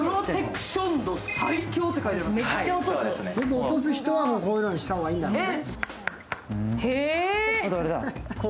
落とす人はこういうのにした方がいいんだね。